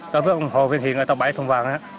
đối với ông hồ viên hiến ở tàu báy thùng vàng